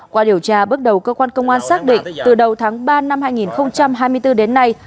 qua điều tra bước đầu cơ quan công an xác định từ đầu tháng ba năm hai nghìn hai mươi bốn đến nay